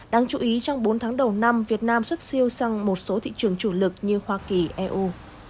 đáng chú ý trong bốn tháng đầu năm việt nam xuất siêu sang một số thị trường chủ lực như hoa kỳ eu